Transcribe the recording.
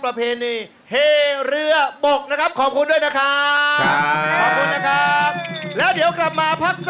ประเพณีเหเรือบกนะครับ